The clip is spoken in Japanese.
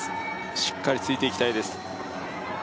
しっかりついていきたいです